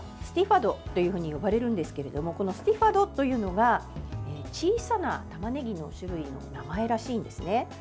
ファドというふうに呼ばれるんですけれどもこのスティファドというのが小さなたまねぎの種類の名前らしいんですね。